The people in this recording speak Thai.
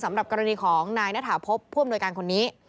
สำหรับกรณีของนายณฐาพบผู้อำนวยการคนนี้